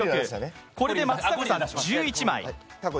これで松坂さん１１枚。